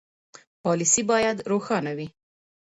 پالیسي باید روښانه وي.